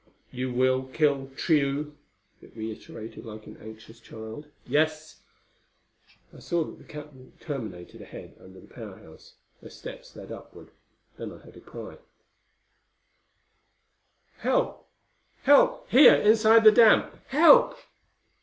"You will kill Tugh?" it reiterated like an anxious child. "Yes." I saw that the catwalk terminated ahead under the Power House, where steps led upward. Then I heard a cry: "Help! Help! Here, inside the dam! Help!"